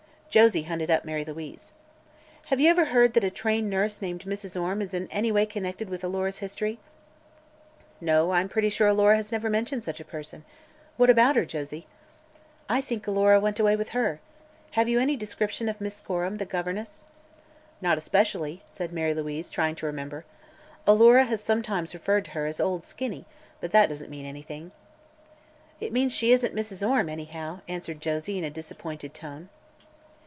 Josie hunted up Mary Louise. "Have you ever heard that a trained nurse named Mrs. Orme is in any way connected with Alora's history?" she asked. "No; I'm pretty sure Alora has never mentioned such a person. What about her, Josie? "I think Alora went away with her. Have you any description of Miss Gorham, the governess?" "Not especially," said Mary Louise, trying to remember. "Alora has sometimes referred to her as 'Old Skinny,' but that doesn't mean anything." "It means she isn't Mrs. Orme, anyhow," answered Josie, in a disappointed tone.